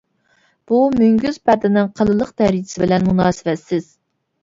بۇ مۈڭگۈز پەردىنىڭ قېلىنلىق دەرىجىسى بىلەن مۇناسىۋەتسىز.